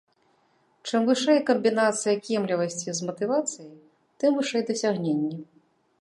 Чым вышэй камбінацыя кемлівасці з матывацыяй, тым вышэй дасягненні.